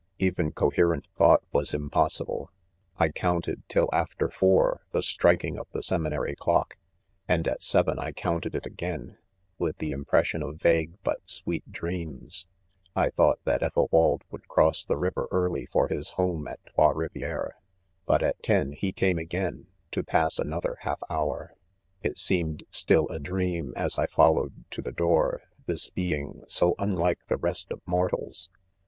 Even coherent thought was im possible. I cOiinteditill waiter four, the striking of the seminary clock \ and at seven I counted it ■■■ again, :; with ; l the" impression of vague but sweet' dreams. '.• 1 1 thought that Ethelwald would cross the fiver early ; for l his^ioffle : at Trois Rivieres § buijat ten he came ^gain, t© pass another half hour.'' '*# l ;Mi seemed ! still ; a : dream as 1 followed to the door this being so unlike the rest of mortals.